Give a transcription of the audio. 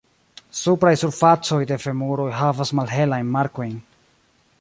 Supraj surfacoj de femuroj havas malhelajn markojn.